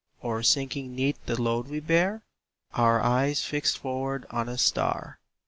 Or sinking 'neath the load we bear? Our eyes fixed forward on a star?